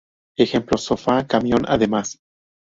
Ejemplos: "sofá, camión, además".